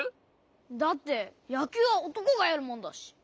だってやきゅうはおとこがやるもんだし。